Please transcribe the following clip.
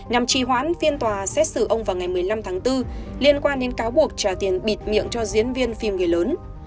nhằm trì hoãn phiên tòa xét xử ông vào ngày một mươi năm tháng bốn liên quan đến cáo buộc trả tiền bịt miệng cho diễn viên phim người lớn